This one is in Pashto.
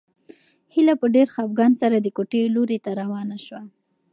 هیله په ډېر خپګان سره د کوټې لوري ته روانه شوه.